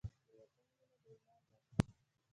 د وطن مینه د ایمان برخه ده.